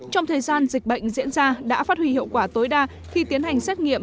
trong thời gian dịch bệnh diễn ra đã phát huy hiệu quả tối đa khi tiến hành xét nghiệm